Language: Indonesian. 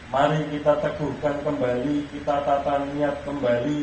mari kita teguhkan kembali kita tata niat kembali